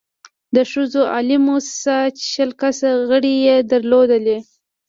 د ښځو عالي مؤسسه چې شل کسه غړې يې درلودل،